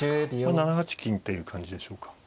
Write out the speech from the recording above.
７八金という感じでしょうか。